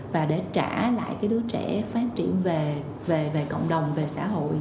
và để trả lại cái đứa trẻ phát triển về cộng đồng về xã hội